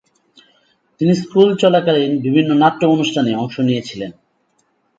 তিনি স্কুল চলাকালীন বিভিন্ন নাট্য অনুষ্ঠানে অংশ নিয়েছিলেন।